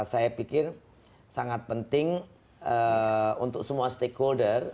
saya pikir sangat penting untuk semua stakeholder